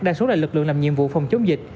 đa số là lực lượng làm nhiệm vụ phòng chống dịch